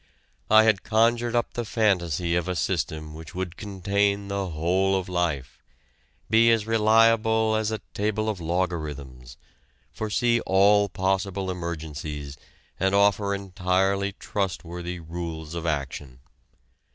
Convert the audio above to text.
I had conjured up the fantasy of a system which would contain the whole of life, be as reliable as a table of logarithms, foresee all possible emergencies and offer entirely trustworthy rules of action.